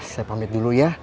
saya pamit dulu ya